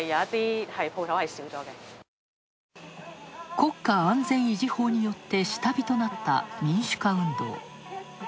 国家安全維持法によって下火となった民主化運動。